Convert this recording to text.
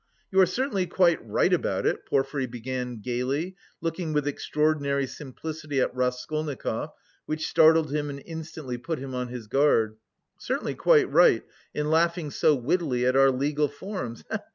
"You are certainly quite right about it," Porfiry began gaily, looking with extraordinary simplicity at Raskolnikov (which startled him and instantly put him on his guard); "certainly quite right in laughing so wittily at our legal forms, he he!